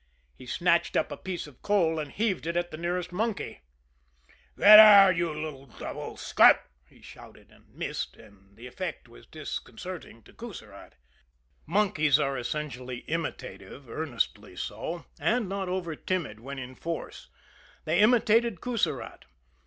He snatched up a piece of coal, and heaved it at the nearest monkey. "Get out, you little devil scut!" he shouted and missed and the effect was disconcerting to Coussirat. Monkeys are essentially imitative, earnestly so and not over timid when in force they imitated Coussirat.